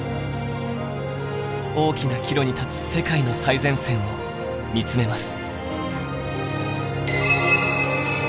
大きな岐路に立つ世界の最前線を見つめます。